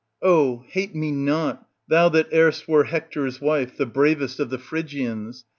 Oh hate me not, thou that erst wert Hector's wife, the bravest of the Phrygians